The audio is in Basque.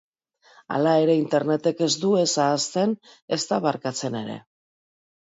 Hala ere, internetek ez du ez ahazten, ezta barkatzen ere.